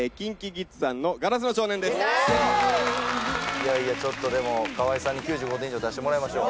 いやいや、河合さんに９５点以上出してもらいましょう。